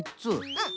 うん。